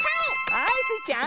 はいスイちゃん。